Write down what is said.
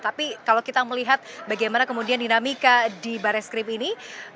tapi kalau kita melihat bagaimana kemudian dinamika di barreskrim ini